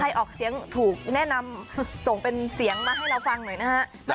ออกเสียงถูกแนะนำส่งเป็นเสียงมาให้เราฟังหน่อยนะฮะ